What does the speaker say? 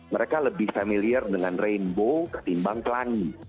mereka lebih familiar dengan rainbow ketimbang klangi